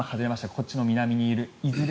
こっちの南にいるいずれ